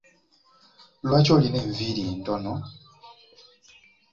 Lwaki olina enviiri ntono?